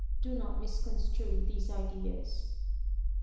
Do not misconstrue these ideas."